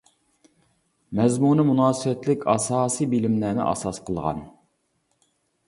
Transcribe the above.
مەزمۇنى مۇناسىۋەتلىك ئاساسى بىلىملەرنى ئاساس قىلغان.